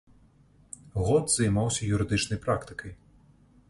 Год займаўся юрыдычнай практыкай.